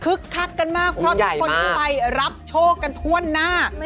คักกันมากเพราะทุกคนที่ไปรับโชคกันทั่วหน้า